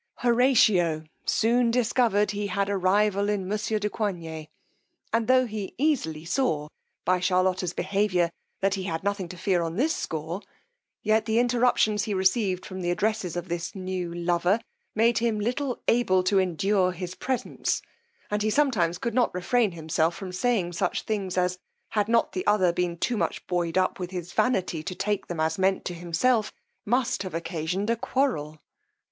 Horatio soon discovered he had a rival in monsieur de Coigney; and tho' he easily saw by Charlotta's behaviour that he had nothing to fear on this score, yet the interruptions he received from the addresses of this new lover, made him little able to endure his presence, and he sometimes could not refrain himself from saying such things as, had not the other been too much buoyed up with his vanity to take them as meant to himself, must have occasioned a quarrel.